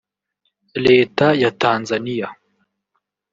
Leta ya Tanzania